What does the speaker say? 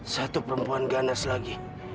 satu perempuan gandeng lagi